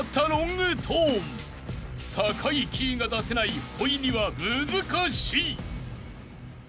［高いキーが出せないほいには難しい］